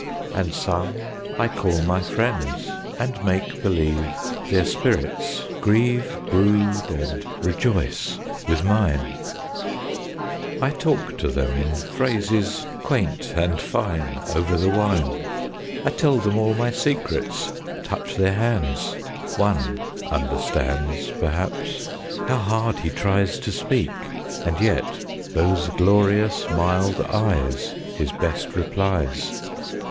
And some I call my friends, and make believe Their spirits grieve, Brood, and rejoice with mine; I talk to them in phrases quaint and fine Over the wine; I tell them all my secrets; touch their hands; One understands Perhaps. How hard he tries To speak! And yet those glorious mild eyes, His best replies!